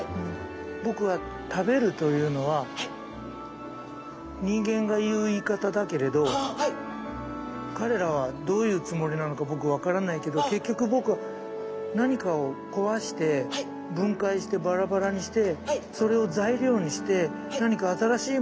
僕は食べるというのは人間が言う言い方だけれど彼らはどういうつもりなのか僕分からないけど結局僕は何かを壊して分解してバラバラにしてそれを材料にして何か新しいものをつくっているんですよね。